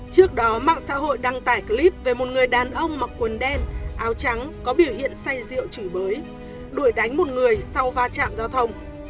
trước đó mạng xã hội đăng tải clip về một người đàn ông mặc quần đen áo trắng có biểu hiện say rượu chửi bới đuổi đánh một người sau va chạm giao thông